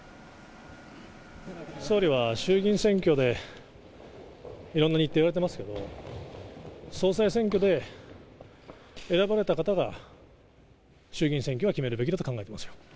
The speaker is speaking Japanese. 総理は衆議院選挙でいろんな日程言われてますけど、総裁選挙で選ばれた方が、衆議院選挙は決めるべきだと考えてますよ。